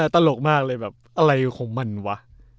ตลกมากเลยแบบอะไรของมันวะ